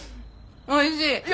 おいしい。